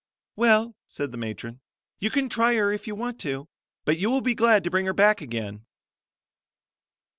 "Well," said the matron, "you can try her if you want to, but you will be glad to bring her back again."